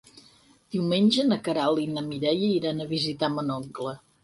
Diumenge na Queralt i na Mireia iran a visitar mon oncle.